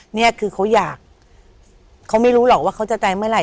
นี่คือเขาอยากเขาไม่รู้หรอกว่าเขาจะตายเมื่อไห